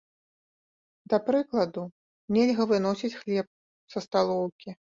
Да прыкладу, нельга выносіць хлеб са сталоўкі.